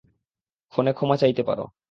ফোনে ক্ষমা চাইতে পারো।